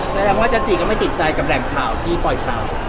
แสดงว่าจจีก็ไม่ติดใจกับแหล่งข่าวที่ปล่อยข่าว